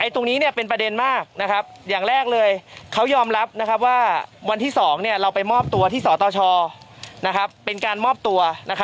ตรงนี้เป็นประเด็นมากอย่างแรกเลยเขายอมรับว่าวันที่๒เราไปมอบตัวที่สตชเป็นการมอบตัว